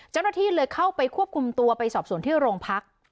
เจ้าหน้าที่เลยเข้าไปควบคุมตัวไปสอบสวนที่โรงพัก